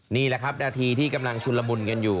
นี่แหละครับนาทีที่กำลังชุนละมุนกันอยู่